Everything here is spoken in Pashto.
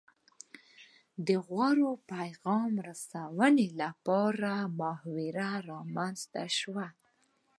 د غوره پیغام رسونې لپاره محاورې رامنځته شوې